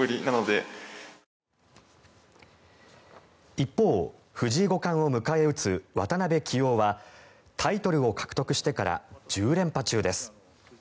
一方、藤井五冠を迎え撃つ渡辺棋王はタイトルを獲得してから１０連覇中です。